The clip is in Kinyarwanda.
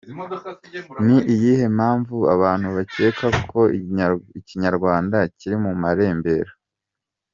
Ni iyihe mpamvu abantu bakeka ko Ikinyarwanda kiri mu marembera ?.